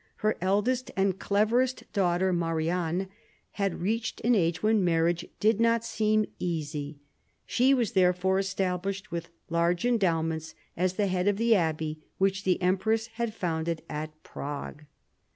Her eldest and cleverest daughter, Marianne, had reached an age when marriage did not seem easy. She was therefore established with large endowments as the head of the Abbey which the empress had founded at Prague.